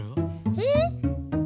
えっ？